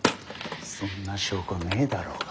そんな証拠ねえだろうが。